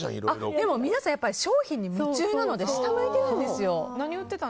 でも皆さん商品に夢中なので下向いてるんですよ。